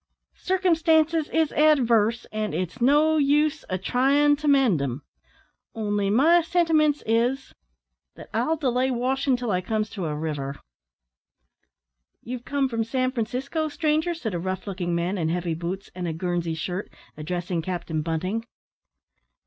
circumstances is adwerse, an' it's o' no use a tryin' to mend 'em. Only my sentiments is, that I'll delay washin' till I comes to a river." "You've come from San Francisco, stranger?" said a rough looking man, in heavy boots, and a Guernsey shirt, addressing Captain Bunting.